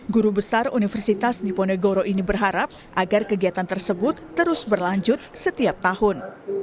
guru besar universitas diponegoro ini berharap agar kegiatan tersebut terus berlanjut setiap tahun